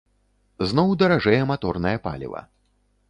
Зноў даражэе маторнае паліва.